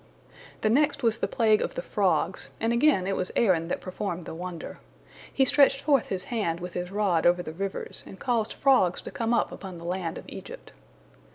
The next was the plague of the frogs, and again it was Aaron that performed the wonder. He stretched forth his hand with his rod over the rivers, and caused frogs to come up upon the land of Egypt.